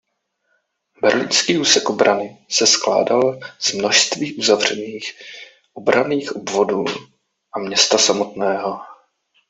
Berlínský úsek obrany se skládal z množství uzavřených obranných obvodů a města samotného.